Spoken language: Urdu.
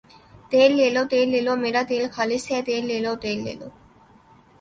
تیل لے لو ، تیل لے لو میرا تیل خالص ھے تیل لے لو تیل لے لو